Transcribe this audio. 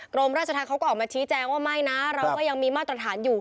กรมราชธรรมเขาก็ออกมาชี้แจงว่าไม่นะเราก็ยังมีมาตรฐานอยู่